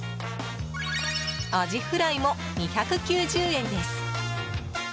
アジフライも２９０円です。